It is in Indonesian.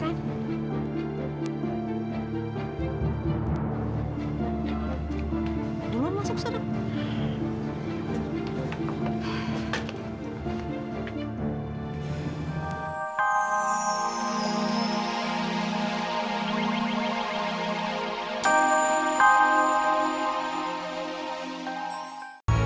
kita punching terus aku juga pa